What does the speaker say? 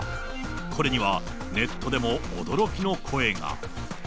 これにはネットでも驚きの声が。